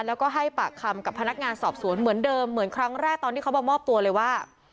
แล้วก็ให้ปากคำกับพนักงานสอบสวนเหมือนเดิมเหมือนครั้งแรกตอนที่เขามามอบตัวเลยว่า